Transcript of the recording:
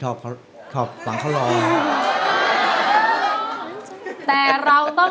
เหตุผลของคุณตาก่อน